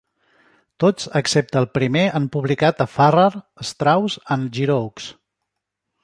Tots excepte el primer han publicat a Farrar, Straus and Giroux.